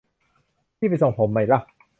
พี่ไปส่งผมไหมล่ะ